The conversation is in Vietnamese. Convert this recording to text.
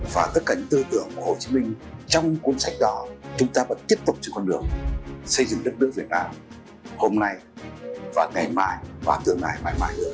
và tất cả tư tưởng của hồ chí minh trong cuốn sách đó chúng ta vẫn tiếp tục trên con đường xây dựng đất nước việt nam hôm nay và ngày mai và tương lai mãi mãi